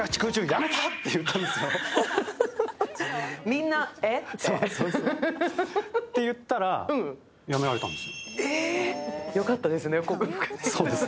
みんな、えっ？って。と言ったらやめられたんですよ。